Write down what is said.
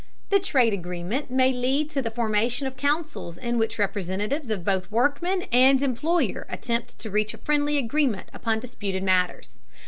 The trade agreement may lead to the formation of councils in which representatives of both workmen and employer attempt to reach a friendly agreement upon disputed matters.